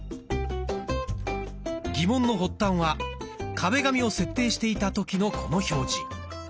疑問の発端は壁紙を設定していた時のこの表示。